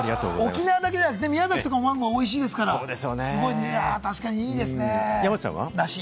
沖縄だけじゃなくて、宮崎もマンゴーおいしいですから、確かにいいですね。